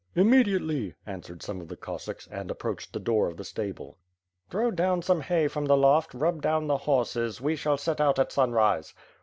"Immediately," answered some of the Cossacks, and ap proached the door of the stable. "Throw down some hay from the loft, rub down the horses. We shall set out at sunrise."